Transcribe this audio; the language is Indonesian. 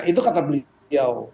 itu kata beliau